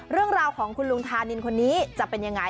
เรื่องราวของคุณลุงธานินคนนี้จะเป็นยังไง